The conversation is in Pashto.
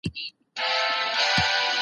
د تېرو کلونو کیسې باید په نسیان ونه سپارل سي.